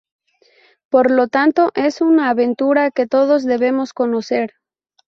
Por lo tanto es una aventura que todos debemos conocer.